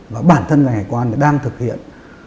và bản thân ngành hải quan đang thực hiện